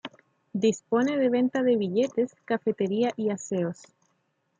Dispone de venta de billetes, cafetería y aseos.